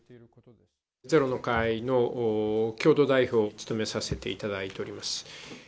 ゼロの会の共同代表を務めさせていただいております。